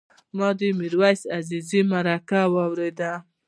ما د میرویس عزیزي مرکه واورېده.